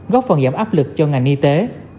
góp phần giảm áp lực cho ngành y tế